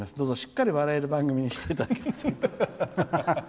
どうか、しっかり笑える番組にしていただけますように」。